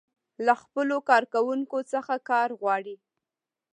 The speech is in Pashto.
له خپلو کارکوونکو څخه کار غواړي.